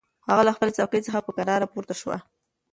هغه له خپلې څوکۍ څخه په کراره پورته شوه.